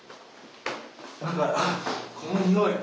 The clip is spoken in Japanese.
何かあっこのにおい。